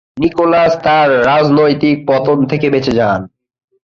Nicolas তার রাজনৈতিক পতন থেকে বেঁচে যান।